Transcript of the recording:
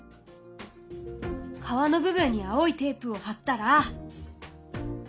川の部分に青いテープを貼ったら。